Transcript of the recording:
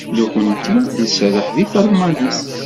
Nekkenti nserreḥ deg talmanit.